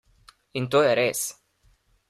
In to je res.